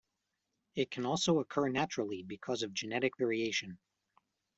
It can also occur naturally because of genetic variation.